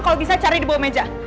kalau bisa cari di bawah meja